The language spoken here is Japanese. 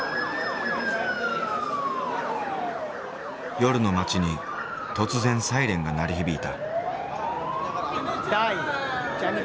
夜の街に突然サイレンが鳴り響いた。